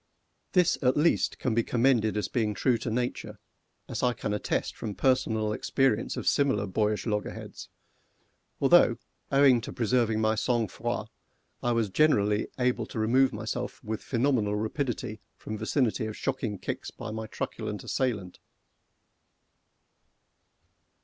This at least can be commended as being true to nature, as I can attest from personal experience of similar boyish loggerheads, although, owing to preserving my sang froid, I was generally able to remove myself with phenomenal rapidity from vicinity of shocking kicks by my truculent assailant.